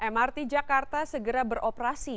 mrt jakarta segera beroperasi